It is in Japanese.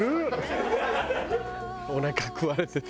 おなか食われてて。